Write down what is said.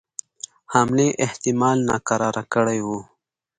حملې احتمال ناکراره کړي وه.